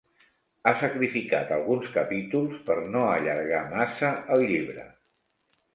Ha sacrificat alguns capítols per no allargar massa el llibre.